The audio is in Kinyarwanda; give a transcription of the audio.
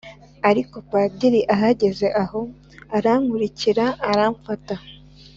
ariko Padiri ahagaze aho arankurikira aramfata